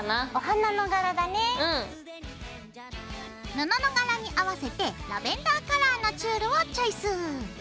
布の柄に合わせてラベンダーカラーのチュールをチョイス。